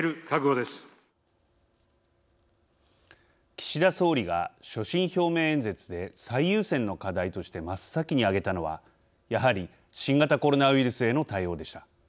岸田総理が所信表明演説で最優先の課題として真っ先に挙げたのはやはり、新型コロナウイルスへの対応でした。